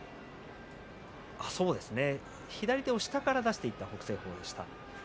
左手を下から浮かしていた北青鵬でした。